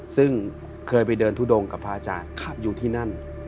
ซึ่งเคยไปเดินทุดงกับพระอาจารย์อยู่ที่นั่น